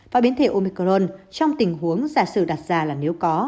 và biến thể omicron trong tình huống giả sử đặt ra là nếu có